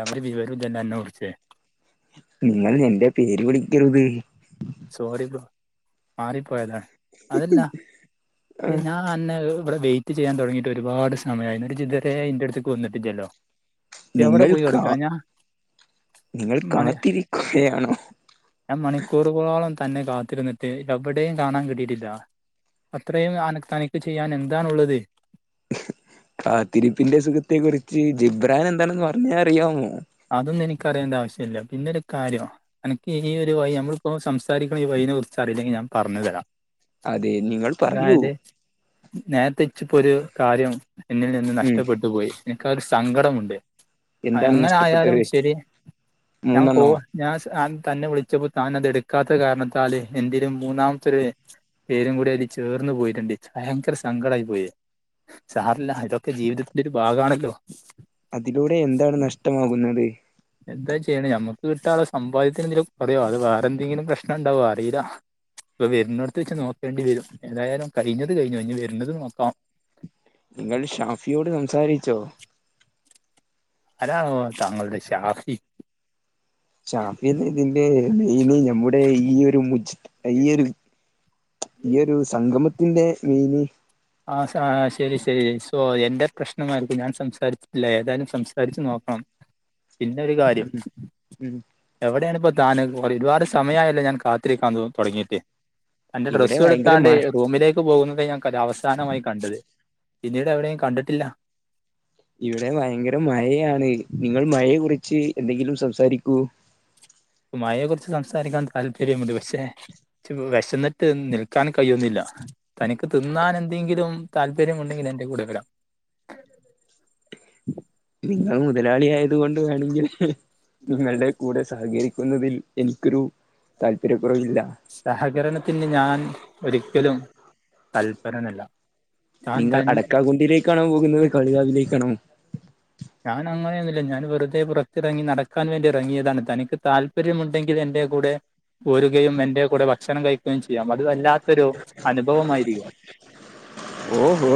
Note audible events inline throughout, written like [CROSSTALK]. എവ്ടിം വിവരുല്ലല്ലോ അന്നെ കുർച്ച് നിങ്ങൾ എന്റെ പേര് വിളിക്കരുത് മാറിപ്പോയതാ അതല്ല ഞാൻ അന്നെ ഇവിടെ വെയിറ്റ് ചെയ്യാൻ, തുടങ്ങീട്ട് ഒരുപാട് സമയയി എന്നിട്ട് ഇതുവരെ ഇന്റെ അടുത്ത്ക്ക് വന്ന്ട്ടില്ലല്ലോ. എവിടെ നിങ്ങൾ പോയി കാ കെടക്കാ ഞാ നിങ്ങൾ മണി കാത്തിരിക്കുകയാണോ ഞാൻ മണിക്കൂറ് ക്കൂറോളം തന്നെ കാത്തിര്ന്ന്ട്ട് എവ്ടെയും കാണാൻ കിട്ടിയിട്ടില്ലാ അത്രയും ആന് തനിക്ക് ചെയ്യാൻ എന്താണുള്ളത് കാത്തിരിപ്പിന്റെ സുഖത്തെ കുറിച്ച് ജിബ്രാൻ എന്താണെന്ന് പറഞ്ഞെ അറിയാമോ അതൊന്നും എനിക്ക് അറിയേണ്ട ആവശ്യല്ല പിന്നെ ഒര് കാര്യം അനക്ക് ഈ ഒര് വഴി ഞമ്മള്പ്പോ സംസ് സാരിക്ക്ണ ഈ വഴിനെ കുറിച്ച് അറിയില്ലെങ്കി ഞാൻ പറഞ്ഞ് തരാ അതെ നിങ്ങൾ പറയൂ നേര്ത്തെ ഇച്ചിപ്പാെര് കാര്യം എന്നിൽ നിന്ന് ഉം നഷ്ട്ടപ്പെട്ട് പോയി എനിക്കത് സങ്കടമുണ്ട് എന്താണ് ങ്ങനെ ആയാലും നഷ്ടപ്പെട്ടത് ശരി ഞാൻ കോ മൂന്നെണ്ണോ ഞാൻ സ് അൻ തന്നെ വിളിച്ചപ്പോ താനതെട്ക്കാത്ത കാരണത്താല് എന്തിലും മൂന്നാംത്തൊര് പേരും കൂടി അയ്ല് ചേർ ന്ന് പോയിട്ട്ണ്ട് ച്ച് ഭയങ്കര സങ്കടായി പോയി സാരല്ല ഇതൊക്കെ ജീവിതത്തിന്റെ ഒര് ഭാഗാണല്ലോ അതിലൂടെ എന്താണ് നഷ്ടമാകുന്നത് എന്താ ചെയ്യ്ണെ ഞമ്മക്ക് വിട്ട ആള് സമ്പാദ്യത്തിനെന്തേലും കൊറയോ അത് വേറെന്തെങ്കിലും പ്രശ്നണ്ടാവോ അറീല ഇപ്പൊ വര്ണോട്ത്തെച്ച് നോക്കേണ്ടി വെരും ഏതായാലും കഴിഞ്ഞത് കഴിഞ്ഞു ഞ്ഞ് വര്ണത് നോക്കാം നിങ്ങൾ ഷാഫിയോട് സംസാരിച്ചോ അതാണോ താങ്കളുടെ ഷാഫി ഷാഫീന്ന് ഇതിന്റെ മീനിങ്ങ നമ്മുടെ ഈയൊരു മുച്ച് ഈ ഒര് ഈ ഒരു സംഗമ ത്തിന്റെ മെനി ആ സ ശെരി ശെരി സോ എന്റെ പ്രശ്നമായ്രിക്കും ഞാൻ സംസാരിച്ചിട്ടില്ല ഏതായാലും സംസാരിച്ച് നോക്കാം പിന്നെ ഒര് കാര്യം ഉം ഉം എവെടേണ് പ്പൊ താന് ഒര്പാട് സമയായല്ലോ ഞാൻ കാത്തിരിക്കാൻ തു തൊടങ്ങീട്ട് എന്റെ ഇവിടെ ഡ്രസ്സ് ഭയങ്കര എടുത്താണ്ട് മഴ റൂമിലേ ക്ക് പോകുന്നതെ ഞാൻ ക അവസാനമായ് കണ്ടത് പിന്നീട് എവെടെയും കണ്ട്ട്ട്ല്ലാ ഇവിടെ ഭയങ്കര മഴയാണ് നിങ്ങൾ മഴയെ കുറിച്ച് എന്തെങ്കിലും സംസാരിക്കൂ മഴയെക്കുറിച്ച് സംസാരിക്കാൻ താല്പര്യമുണ്ട് പക്ഷെ ച്ച് പ്പൊ വെശന്ന്ട്ട് നിൽക്കാൻ കയ്യുല്ലാ തനിക്ക് തിന്നാൻ എന്തെങ്കിലും താല്പര്യം ഉണ്ടെങ്കിൽ എന്റെ കൂടെ വരാം നിങ്ങൾ മുതലാളി ആയത് കൊണ്ട് വേണെങ്കിൽ നിങ്ങൾടെ കൂടെ സഹകരി ക്കുന്നതിൽ എനിക്കൊരു താല്പര്യ കുറവില്ല സഹകരണത്തിന് ഞാൻ ഒരിക്കലും തൽപരനല്ല താൻ നിങ്ങൾ തൻ അടക്കാകുണ്ടിലേക്കാണോ പോകുന്നത് കാളി കാവിലേക്കാണോ? ഞാനങ്ങനെയൊന്നുല്ല ഞാൻ വെർതെ പുറത്തിറങ്ങി നടക്കാൻ വേണ്ടി ഇറങ്ങിയതാണ് തനിക്ക് താല്പര്യമുണ്ടെങ്കിൽ എൻ ന്റെ കൂടെ പോരുകയും എന്റെ കൂടെ ഭക്ഷണം കഴിക്കുകയും ചെയ്യാം അത് വല്ലാ ത്തൊരു അനുഭവമായിരിക്കും ഓഹോ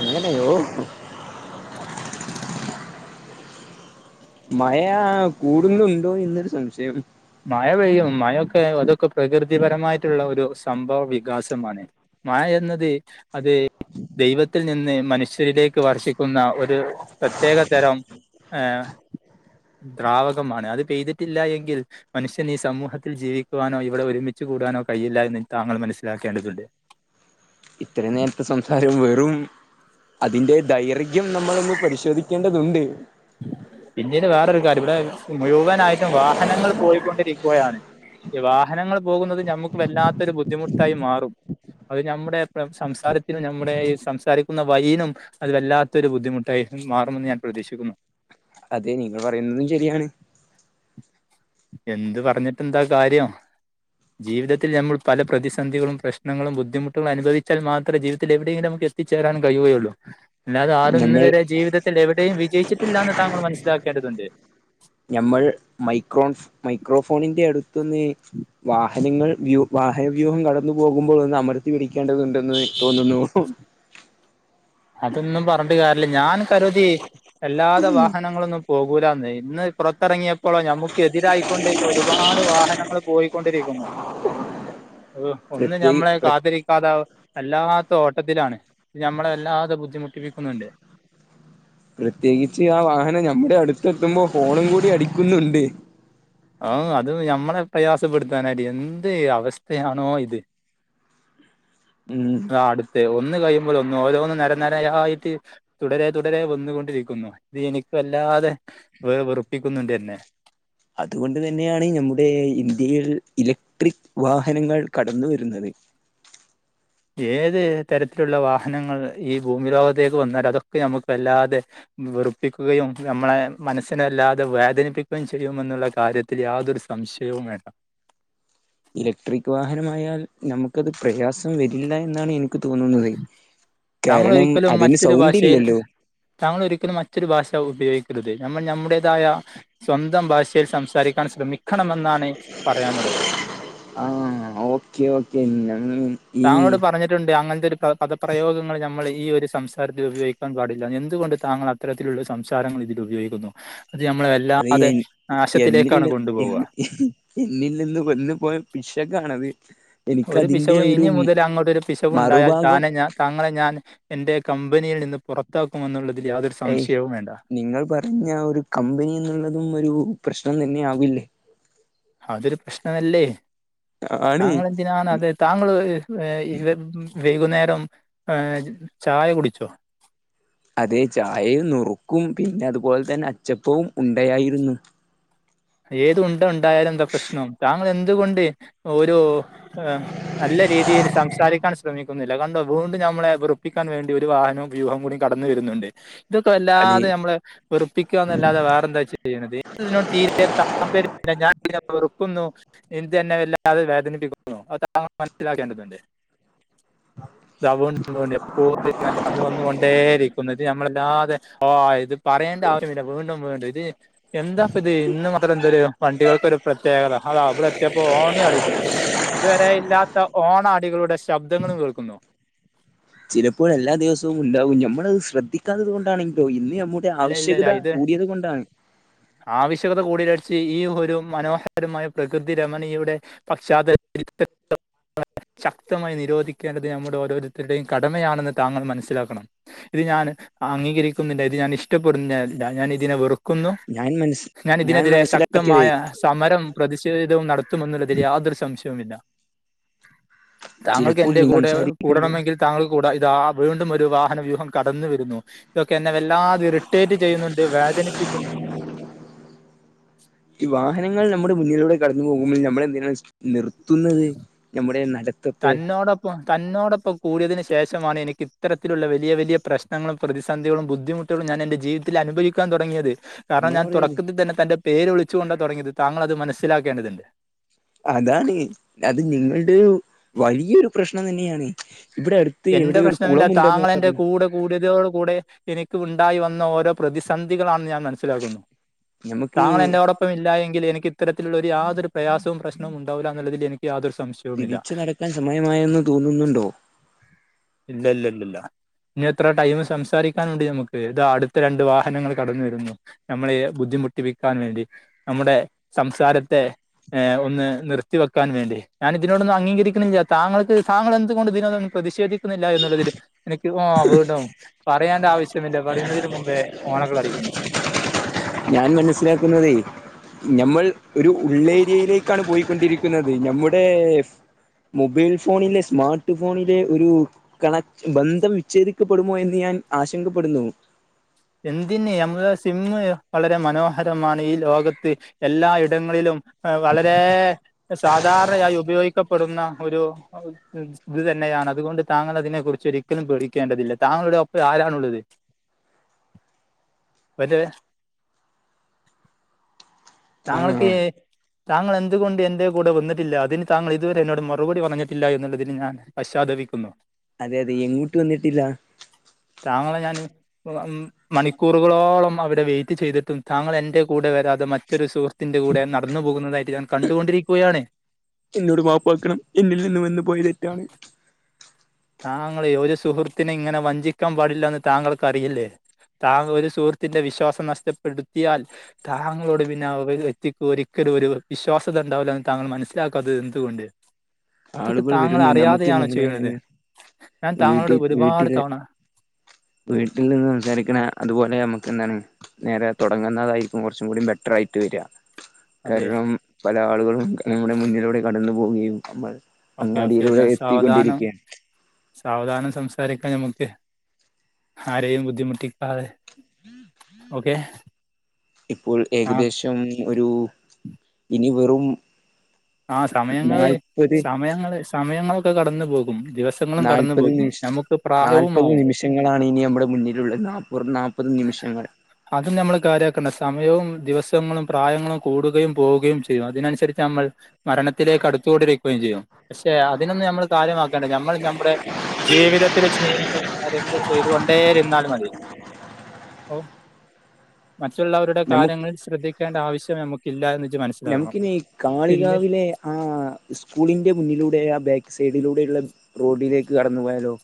അങ്ങനെയോ മയാ കൂടുന്നുണ്ടോ എന്നൊരു സംശയം മയ വരും മയൊക്കെ അതൊക്കെ പ്രകൃതിപരമായിട്ട്ള്ള ഒരു സംഭവ വികാസമാണ് മായെന്നത് അത് ദൈവത്തിൽ നിന്ന് മനുഷ്യരിലേക്ക് വർഷിക്കുന്ന ഒരു പ്രത്യേക തരം ഏഹ് ദ്രാവകമാണ് അത് പെയ്തിട്ടില്ലാ എങ്കിൽ മനുഷ്യന് ഈ സമൂഹത്തിൽ ജീവിക്കുവാനോ ഇവ്ടെ ഒരുമിച്ച് കൂടാനോ കഴിയില്ല എന്ന് താങ്കൾ മനസ്സിലാക്കേണ്ടതുണ്ട് ഇത്രേം നേരത്തെ സംസാരം വെറും അതിന്റെ ദൈർഘ്യം നമ്മൾ ഒന്ന് പരിശോധിക്കേണ്ടതുണ്ട് പിന്നീട് വേറൊരു കാര്യം വ്ടെ മുഴുവനായിട്ടും വാഹനങ്ങൾ പോയ്ക്കൊണ്ടിരിക്കുകയാണ് ഈ വാഹനങ്ങൾ പോകുന്നത് നമ്മുക്ക് വല്ലാത്തരു ബുദ്ധിമുട്ടായി മാറും. അത് നമ്മുടെ സംസാരത്തിനും നമ്മുടെ ഈ സംസാരിക്കുന്ന വയിനും അത് വല്ലാത്തൊരു ബുദ്ധിമുട്ടായി. മാറുമെന്ന് ഞാൻ പ്രതീക്ഷിക്കുന്നു അതെ നിങ്ങൾ പറയുന്നതും ശരിയാണ് എന്ത് പറഞ്ഞിട്ട് എന്താ കാര്യം. ജീവിതത്തിൽ നമ്മൾ പല പ്രതിസന്ധികളും പ്രശ്നങ്ങളും ബുദ്ധിമുട്ടുകൾ അനുഭവിച്ചാൽ മാത്രേ ജീവിതത്തിൽ എവിടെയെങ്കിലും എത്തിച്ചേരാൻ കഴിയുവയൊള്ളൂ. അല്ലാതെ ആരും ഇന്ന് നമ്മൾ വരെ ജീവിതത്തിൽ എവിടെയും വിജയിച്ചിട്ടില്ലാന്ന് താങ്കൾ മനസ്സിലാക്കേണ്ടതുണ്ട്. ഞമ്മൾ മൈക്രോൺ മൈക്രോഫോണിന്റെ അടുത്തിന്ന് വാഹ നങ്ങൾ വ്യൂ വാഹവ്യൂഹം കടന്നു പോകുമ്പോൾ ഒന്ന് അമർത്തി പിടിക്കേണ്ടതുണ്ടെന്ന് തോന്നുന്നു. അതൊന്നും പറഞ്ഞിട്ട് കാര്യല്ല ഞാൻ കരുതി അല്ലാതെ വാഹനങ്ങളൊന്നും പോകൂലാന്ന്. ഇന്ന് പുറത്തറങ്ങിയ ഇപ്പോളോ ഞമ്മുക്ക് എതിരായിക്കൊണ്ട് ഒരുപാട് വാഹനങ്ങൾ പോയിക്കൊണ്ടിരിക്കുന്നു. ഒന്നും പ്രത്യേകി ഞമ്മളെ പ്ര കാത്തിരിക്കാതെ അല്ലാ തോട്ടത്തിലാണ്. നമ്മളെ എല്ലാ പ്രത്യേകിച്ച് ആ വാഹനം ഞമ്മുടെ അടുത്ത് എത്തുമ്പോ ഫോണും കൂടി അടിക്കുന്നുണ്ട്. ആ അത് ഞമ്മളെ പ്രയാസപ്പെടുത്താനായിട്ട് എന്ത് അവസ്ഥയാണോ ഇത്. ഉം ആ അടുത്ത് ഒന്ന് കഴിയു മ്പതൊന്ന് ഓരോന്നും നെരനെര യായിട്ട് തുടരെ തുടരെ വന്നു കൊണ്ടിരിക്കുന്നു ഇത് എനിക്കല്ലാതെ വ വെറുപ്പിക്കുന്നുണ്ട് എന്നെ. അതുകൊണ്ട് തന്നെയാണ് നമ്മുടെ ഇന്ത്യയിൽ ഇലക്ട്രിക് വാഹനങ്ങൾ കടന്ന് വരുന്നത്. ഏത് തരത്തിലുള്ള വാഹനങ്ങൾ ഈ ഭൂമി ലോകത്തേക്ക് വന്നാൽ അതൊക്കെ നമുക്ക് വല്ലാതെ വെറുപ്പിക്കുകയും നമ്മളെ മനസ്സിനെല്ലാതെ വേദനിപ്പിക്കുകയും ചെയ്യുമന്നുള്ള കാര്യത്തിൽ യാതൊരു സംശയവും വേണ്ട. ഇലക്ട്രിക് വാഹനമായാൽ നമുക്കത് പ്രയാസം വരില്ല എന്നാണ് എനി ക്ക് തോന്നുന്നത്. താങ്കൾ കാരണം ഒരിക്കലും അതിന് മറ്റൊരു സൗണ്ട് ഭാഷയിൽ ഇല്ലല്ലോ താങ്കൾ ഒരിക്കലും മറ്റൊരു ഭാഷ ഉപയോഗി ക്കരുത്. നമ്മൾ നമ്മുടേതായ സ്വന്തം ഭാഷയിൽ സംസാരിക്കാൻ ശ്രമിക്കണംമെന്നാണ് പറയാനുള്ള ത്. ആ ഓക്കെ ഓക്കെ ഈ താങ്കളോട് പറഞ്ഞിട്ടുണ്ട് അങ്ങനത്തെ ഒരു പദപ്രയോഗങ്ങള് ഞമ്മള് ഈ ഒരു സംസാരത്തിൽ ഉപയോഗിക്കാൻ പാടില്ല എന്തുകൊണ്ട് താങ്കൾ അത്തരത്തിലുള്ള സംസാരങ്ങൾ ഇതിൽ ഉപയോഗിക്കുന്നു. അത് നമ്മളെ അത് വല്ലാതെ എന്നിൽ നാശത്തിലേക്കാണ് ന് കൊണ്ടുപോവുക എന്നിൽ നിന്ന് വന്ന് പോയ പിശകാണത്. ഒരു എനിക്കതിന്റെ പിശവ് ഒരു ഇനി മുതല് അങ്ങോട്ടൊരു പിശവു ഉണ്ടായാൽ മറുഭാഗം താനെ ഞാൻ താങ്ങളെ ഞാൻ എന്റെ കമ്പനിയിൽ നിന്ന് പുറത്താക്കുമെന്നുള്ള ഏയ് നിങ്ങൾ പറഞ്ഞ ഒരു കമ്പനി എന്ന്ള്ള തും ഒരു പ്രശ്നം തന്നെ ആവില്ലേ. അതൊരു പ്രശ്നമല്ലേ. ആണ് താങ്ക്ളെന്തിനാ അത് താങ്ക്ള് ഏഹ് [UNINTELLIGIBLE] വൈകുന്നേരം ഏ ചായ കുടിച്ചോ? അതെ ചായയും നുറുക്കും പിന്നെ അതുപോലെ തന്നെ അച്ചപ്പവും ഉണ്ടയായിരുന്നു. ഏത് ഉണ്ട ഉണ്ടായാലും എന്താ പ്രശ്ണം താങ്കൾ എന്തുകൊണ്ട് ഒരു ആ നല്ല രീതിയിൽ സംസാരിക്കാൻ ശ്രമി ക്കുന്നില്ല. കണ്ടോ വീണ്ടും ഞമ്മളെ വെറുപ്പിക്കാൻ വേണ്ടി ഒരു വാഹനോം വ്യൂഹം കൂടി കടന്നു വരുന്നുണ്ട്. ഇതൊക്കെ അതെ വല്ലാതെ നമ്മള് വെറുപ്പിക്കാന്നല്ലാതെ വേറെ എന്താ ചെയ്യിണത് ഇൻക് ഇതിനോട് തീരെ തീരെ താൽപര്യമില്ല ഞാൻ ഇതിനെ വെറുക്കുന്നു [UNINTELLIGIBLE] തന്നെ വല്ലാതെ വേദനിപ്പിക്കുന്നു. അത് താങ്കൾ മന സിലാക്കേണ്ടതുണ്ട്. [UNINTELLIGIBLE] വന്ന് കൊണ്ടെയിരിക്കും ഇന്നട്ട് ഞമ്മളെ വല്ലാതെ ഓ ഇത് പറയേണ്ടാവശ്യമില്ല വീണ്ടും വീണ്ടും ഇത് എന്താപ്പത് മാത്രം എന്തൊരു വണ്ടികൾക്കൊരു പ്രത്യേകത അതാവിടെത്തിയപ്പോ ഹോണി അടിക്ക്ണ്. ഇതുവരെ ഇല്ലാത്ത ഓണടികളുടെ ശബ്ദങ്ങളും കേൾക്കുന്നു. ത് ശ്രദ്ധിക്കാത്തത് കൊണ്ടാണെങ്കിലോ ഇന്ന് ഞമ്മുടെ ഇല്ല ഇല്ല ഇല്ല ആവശ്യകത ഇത് കൂടിയത് കൊണ്ടാണ് ത്കൂടിലഴച്ച ഈ.. ഒരു മനോഹരമായ പ്രകൃതി രമണീയുടെ പശ്ചാതല [UNINTELLIGIBLE] ശക്തമായി നിരോധിക്കേണ്ടത് നമ്മുടെ ഓരോരുത്തരുടെയും കടമയാണെന്ന് താങ്കൾ മനസ്സിലാക്കണം [UNINTELLIGIBLE] ഞാൻ അംഗീകരിക്കുന്നില്ല ഇത് ഞാൻ ഇഷ്ടപ്പെടുന്ന ഞ ഞാൻ ഇതിനെ വെറുക്കുന്നു. ഞാൻ മനസ് ഞാൻ ഇതിനെതിരെ മനസ്സിലാക്കിയത് ശക്തമായ സമരം പ്രതിഷേധിധവും നടത്തുമെന്നുള്ളതി യാതൊരു സംശയവുമില്ല. താങ്കൾക്ക് ചിലപ്പോൾ എന്റെ നീ കൂടെ സംസാരിക്കുമ്പോ കൂടണമെങ്കി താങ്കൾക്ക് കൂട ഇതാ.. വീണ്ടും ഒരു വാഹന [UNINTELLIGIBLE] കടന്നു വരുന്നു ഇതൊക്കെ എന്നെ വല്ലാതിറ് ട്ടെറ്റ് ചെയ്യുന്നുണ്ട് വേചനിപ്പിക്കുന്നുണ്ട്. ഈ വാഹനങ്ങൾ നമ്മുടെ മുന്നിലൂടെ കടന്നു പോകുമ്പോൾ ഞമ്മൾ എന്തിന നിർത്തുന്നത് ഞമ്മുടെ നട തന്നോടൊപ്പം തന്നോടൊപ്പം കൂടിയതിനു ശേഷമാണ് എനിക്ക് ഇത്തരത്തിലുള്ള വലിയ വലിയ പ്രശ്നങ്ങളും പ്രതിസന്ധികളും ബുദ്ധിമുട്ടും ഞാനെൻ്റെ ജീവിതത്തില നുബയിക്കാൻ തുടങ്ങിയത്. കാർണം അങ്ങനെ ഞാൻ പറയരുത് തുടക്കത്തിൽ തന്നെ തൻന്റെ പേര് വിളിചുകൊണ്ടാ തുടങ്ങിയത് താങ്കൾ അത് മനസ്സിലാക്കേണ്ടത്ണ്ട്.. അതാണ് അത് നിങ്ങൾടൊരു വലിയൊരു പ്രശ്നം തന്നെയാണ് ഇവിടെ അടുത്ത് എന്റെ എവിടെ ഒരു പ്രശ്നമില്ല കുളമുണ്ടെന്ന് താങ്കള എന്റെ കൂടെ കൂടിയതോട് കൂടെ എനി ക്കുണ്ടായി വന്ന ഓരോ പ്രതിസന്ധികളാണ് ഞാ മനസിലാക്കുന്നു ഞമ്മക്ക് താങ്കൾ എന്റൊടൊപ്പമില്ലാ എങ്കിൽ എനി ഇത്തരത്തിലുള്ള ഒരു യാതൊരു പ്രയാസോം പ്രശ്നോം ഉണ്ടാവൂലാ ന്നുള്ളതിൽ എനിക്ക്യാദൊരു തിരിച്ചു നടക്കാൻ സമയമായെന്നു തോന്നുന്നുണ്ടോ? ഇല്ലല്ലല്ലാ... ഇനി എത്ര ടൈം സംസാരിക്കാനുണ്ട് ഞമുക്ക് ഇത അടുത്ത രണ്ട് വാഹനങ്ങൾ കടന്നു വരുന്നു നമ്മളെ ബുദ്ധി മുട്ടിപ്പിക്കാൻ വേണ്ടി നമ്മുടെ സംസാരത്തെ എ ഒന്ന് നിർത്തി വെക്കാൻ വേണ്ടി ഞാനിതിനോടൊന്നും അംഗീകരിക്കണില്ല താങ്കൾക്ക് താങ്കൾ എന്ത്കൊണ്ട് ഇതിനോ പ്രതിഷേധി ക്കുന്നുള്ളതിൽ എനിക്ക് വാ വീണ്ടും പറയാണ്ട ആവശ്യമില്ല പറയുന്നതിന് മുമ്പേ ഓണക്ൾ അടിക്കും ഞാൻ മനസ്സിലാക്കുന്നതേ... ഞമ്മൾ ഒരു ഉള്ളേരിയയിലേക്കാണ് പോയിക്കൊണ്ടിരിക്കുന്നത് ഞമ്മു ടെ മൊബൈൽ ഫോണിലെ സ്മാർട്ട് ഫോണിലെ ഒരു കണക്റ്റ് ബന്ധം വിച്ഛേദിക്കപ്പെടുമോ എന്ന് ഞാൻ ആശങ്കപ്പെടുന്നു. എന്തിന് ഞമ്മള സിമ്മ് വളരെ മനോഹരമാണ് ഈ ലോകത്ത് എല്ലാ ഇടങ്ങളിലും എ വളരെ സാധാരണയായി ഉപയോഗിക്കപ്പെടുന്ന ഒരു ഇത് തന്നെയാണ് അതുകൊണ്ട് താങ്കൾ അതിനെ കുറിച്ച് ഒരിക്കലും പേടിക്കേണ്ടതില്ല താങ്കളുടെ ഒപ്പം ആരാണുള്ളത്? അതെ. തങ്കൾക് ആഹ് എ താങ്കൾ എന്തുകൊണ്ട് എന്റെ കൂടെ വന്നിട്ടില്ല അതിന് താങ്കൾ ഇതുവരെ എന്നോട് മറുപടി പറഞ്ഞിട്ടില്ല എന്നുള്ളതിന് ഞാൻ പശ്ചാത്തപിക്കുന്നു. അതെ അതെ എങ്ങോട്ട് വന്നിട്ടില്ല? താങ്കളെ ഞാൻ മണിക്കൂറുകളോളം അവിടെ വെയി റ്റ് ചെയ്തിട്ടും താങ്കൾ എന്റെ കൂടെ വരാതെ മറ്റൊരുസുഹൃ ത്തിന്റെ കൂടെ നടന്നു പോകുന്നതായിട്ട് ഞാൻ കണ്ടുകൊണ്ടിരിക്കുകയാണ്. എന്നോട് മാപ്പക്കണം എന്നിൽനിന്ന് വന്ന് പോയ തെറ്റാണ്. താങ്കളെ ഒരു സുഹൃത്തിനിങ്ങനെ വഞ്ചിക്കാൻ പാടില്ലാന്ന് താങ്കൾക്കറിയില്ലേ? താങ്കരു സുഹൃത്തിന്റെ വിശ്വാസം നഷ്ടപ്പെടുത്തിയാൽ താങ്കളോട്പിന്നെ ആ.. ഒരു വ്യക്തിക്ക് ഒരി [UNINTELLIGIBLE] ഒരു വിശ്വാസത ഉണ്ടാവില്ലോന്ന് താങ്കൾ മനസ്സിലാക്കാത്തത് എന്തുകൊണ്ട്? ഇതൊക്കെ ആളുകൾ താങ്കൾ വരുന്നു നമുക്ക് അറിയാതെയണോ നമ്മുടെ ചെയ്യുന്നത്? ഞാൻ താങ്കളോട് വീട്ടിൽ ഒരുപാട് വീട്ടില് തവണ വീട്ടിൽ നിന്ന് സംസാരിക്കണ അതുപോലെ നമക്ക് [UNINTELLIGIBLE] ഉം.. നേരെ തൊടങ്ങ്ന്നതായിരിക്കും കൊറച്ചും കൂടി ബെറ്ററായിട്ട് വരാ.. അതെ കാരണം പല ആളുകളും നമ്മുടെ മുന്നിലൂടെ കടന്നു പോവുകയും നമ്മൾ ഓക്കെ ഓക്കെ അങ്ങാടിയിലൂടെ എന്നാൽ സാവധാനം എത്തിക്കൊണ്ടിരിക്കയാണ്.. സാവധാനം സംസാരിക്കാ ഞമ്മക്ക്... ആരെയും ബുദ്ധിമുട്ടിക്കാതെ.. ഓക്കെ.. ഇപ്പോൾ ആ ഏകദേശം ഒരു.. ഇനി വെറും ആ സമയങ്ങള് നാല്പത് സമയങ്ങള് സമയങ്ങളൊക്കെ കടന്നു പോകും ദിവസങ്ങളും കടന്നു നാല്പ്പത് പോകും നിമിഷ നമുക്ക് നാല്പത് പ്രായവുമാവും നിമിഷങ്ങളാണ് ഇനി നമ്മുടെ മുന്നിലുള്ളത് വെറും നാല്പ- അതും ഞമ്മള് കാര്യമാക് സമയവും ദിവസങ്ങളും പ്രായങ്ങളും കൂടുകയും പോവുകയും ചെയ്യും.. അതിനനുസരിച്ച് നമ്മൾ മരണത്തിലേക്ക് അടുത്തുകൊണ്ടിരിക്കുകയും ചെയ്യും പക്ഷെ അതിനൊന്നും നമ്മൾ കാര്യമാക്കേണ്ട നമ്മൾ നമ്മുടെ ജീവിതത്തിൽ ചെയ്തകാര്യങ്ങൾ ചെയ്തുകൊണ്ടേയിരുന്നാൽ മതി.. മറ്റുള്ളവരുടെ നമുക്ക് കാര്യങ്ങൾ ശ്രദ്ധിക്കേണ്ട ആവശ്യം നമുക്കില്ലന്ന് നമുക്കിനി കാളികാവിലെ ആ സ്കൂളിന്റെ മുന്നിലൂടെ ആ ബാക്ക് സൈ - സൈഡിലൂടെയുള്ള റോഡിലേക്ക് കടന്നു പോയാലോ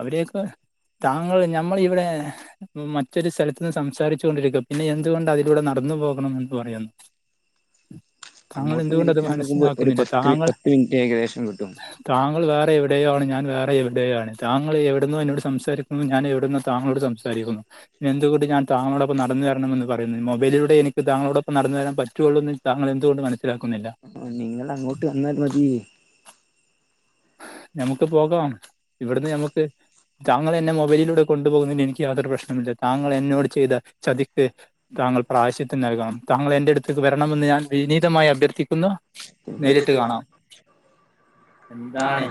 അവരെയൊക്കെ താങ്കൾ ഞമ്മൾ ഇവിടെ മറ്റൊരു സ്ഥലത്തു നിന്ന് സംസാരിച്ചു കൊണ്ടിരിക്കുക പിന്നെ എന്തുകൊണ്ട് അതിലൂടെ നടന്ന് ന്ന് പോകണം എന്ന് പറയുന്നു താങ്കൾ അങ്ങോട്ട് എന്തുകൊണ്ട് അത് തിരിച്ച് നടക്കുമ്പോ ഒരു മനസ്സിലാക്കുന്നില്ല പത്ത് താങ്കൾ പത്ത് മിനിറ്റ് ഏകദേശം കിട്ടും താങ്കൾ വേറെ എവിടെയോ ആണ് ഞാൻ വേറെ എവിടെയോ ആണ് താങ്കൾ എവിടുന്നു എന്നോട് സംസാരിക്കുന്നു.. ഞാൻ എവിടുന്നോ താങ്കളോട് സംസാരിക്കുന്നു.. പിന്നെന്തുകൊണ്ട് ഞാൻ താങ്കളോടൊപ്പം നടന്ന വരണമെന്ന് പറയുന്നത് മൊബൈലിലൂടെ എനിക്ക് താങ്കളോടൊപ്പം നടന്നു വരാൻ പറ്റുള്ളൂ എന്ന് താങ്കൾ എന്തുകൊണ്ട് മനസി ആ.. നിങ്ങള് അങ്ങോട്ട് വന്നാൽ മതി ഞമുക്ക് പോകാം... ഇവിടുന്ന് ഞമുക്ക് താങ്കൾ എന്നെ മൊബൈലിലൂടെ കൊണ്ടുപോകുന്നതിന് എനിക്ക് യാതൊരു പ്രശ്നവുമില്ല.. താങ്കൾ എന്നോട് ചെയ്ത ചതിക്ക് താങ്കൾ പ്രായാശ്ചിത്വം നൽകണം. താങ്കൾ എൻ്റെ അടുത്തേക്ക് വരണമെന്ന് ഞാൻ വിനീതമായി അഭ്യർഥിക്കുന്നു.. നേരിട്ട് കാണാം.. എന്താണ്